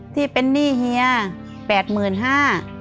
ที่เป็นหนี้เฮีย๘๕๐๐บาท